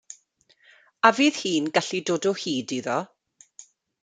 A fydd hi'n gallu dod o hyd iddo?